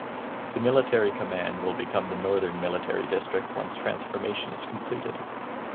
The military command will become the Northern Military District once transformation is completed.